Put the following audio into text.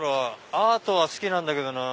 アートは好きなんだけどなぁ。